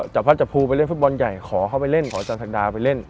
จัวพระจับผูลไปเล่นฟุตบอลใหญ่ขอเขาไปเล่นขออาจารย์ศักราชิกาไปเล่น